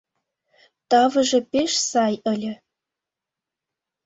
Тавыже пеш сай ыле.